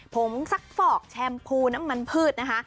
งซักฟอกแชมพูน้ำมันพืชนะคะ